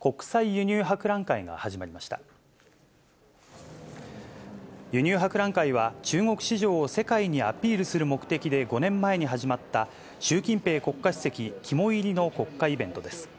輸入博覧会は、中国市場を世界にアピールする目的で５年前に始まった、習近平国家主席肝煎りの国家イベントです。